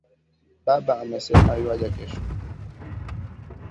Baba amesema yuaja kesho